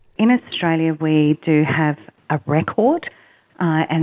di australia kita memiliki rekoran